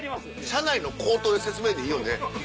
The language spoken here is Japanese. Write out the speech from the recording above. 車内の口頭で説明でいいよね。